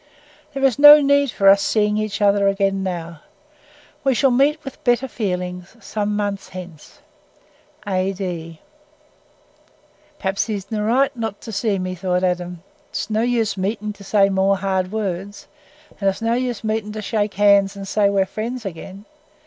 "There is no need for our seeing each other again now. We shall meet with better feelings some months hence. "A.D." "Perhaps he's i' th' right on 't not to see me," thought Adam. "It's no use meeting to say more hard words, and it's no use meeting to shake hands and say we're friends again.